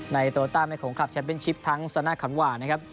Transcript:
ในโตเวอร์ตาแม่ของคลับแชมป์เป็นชิปทั้งสนาคันวานะครับ